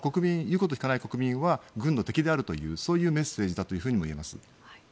言うことを聞かない国民は軍の敵であるというそういうメッセージだともいえます。